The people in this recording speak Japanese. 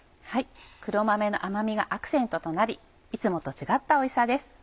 黒豆の甘みがアクセントとなりいつもと違ったおいしさです。